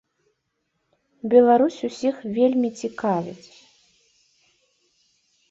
Беларусь усіх вельмі цікавіць.